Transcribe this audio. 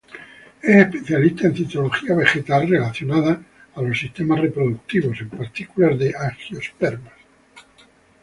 Es especialista en citología vegetal relacionada a los sistemas reproductivos, en particular de angiospermas.